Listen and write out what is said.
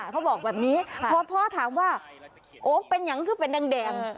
เขาบอกแบบนี้พอพ่อถามว่าโอ๊คเป็นอย่างคือเป็นแดง